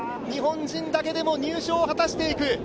日本人だけでも入賞を果たしていく。